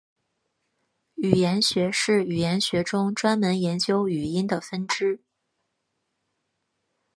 语音学是语言学中专门研究语音的分支。